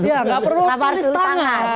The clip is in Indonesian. iya gak perlu tulis tangan